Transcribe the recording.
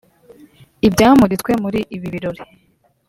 Ibyamuritswe muri ibi birori